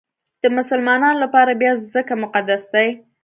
د مسلمانانو لپاره بیا ځکه مقدس دی.